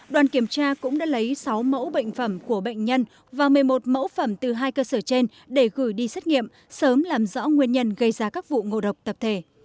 đoàn kiểm tra cũng đã lấy sáu mẫu bệnh phẩm của bệnh nhân và một mươi một mẫu phẩm từ hai cơ sở trên để gửi đi xét nghiệm sớm làm rõ nguyên nhân gây ra các vụ ngộ độc tập thể